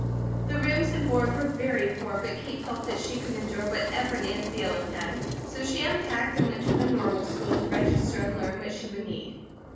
The rooms and board were very poor, but Kate felt that she could endure whatever Nancy Ellen had, so she unpacked, and went to the Normal School to register and learn what she would need.